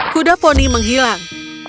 kuda poni menghilang